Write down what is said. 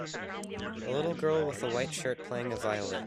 A little girl with a white shirt playing a violin.